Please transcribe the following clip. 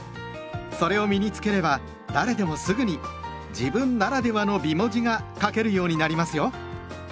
それを身に付ければ誰でもすぐに「自分ならではの美文字」が書けるようになりますよ。